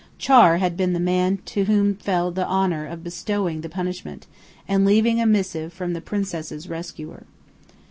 "Char" had been the man to whom fell the honour of bestowing the punishment, and leaving a missive from the princess's rescuer.